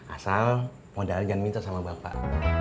asal modal jangan minta sama bapak